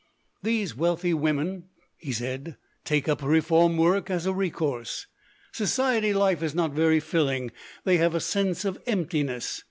" These wealthy women," he said, "take up reform work as a recourse. Society life is not very filling. They have a sense of emptiness.